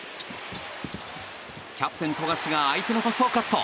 キャプテン富樫が相手のパスをカット。